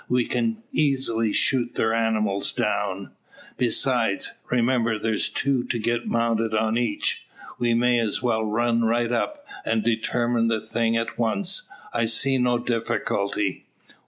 We can easily shoot their animals down. Besides, remember there's two to get mounted on each. We may as well run right up, and determine the thing at once. I see no difficulty."